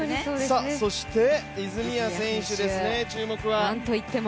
そして泉谷選手ですね、注目は。